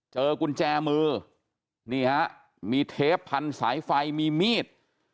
เจอกุญแจมือมีเทปพันธุ์สายไฟมีมีด